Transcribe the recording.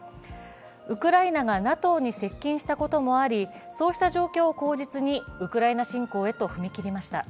ウクライナがＮＡＴＯに接近したこともありそうした状況を口実にウクライナ侵攻へと踏み切りました。